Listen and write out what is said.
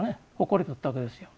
誇りだったわけですよ。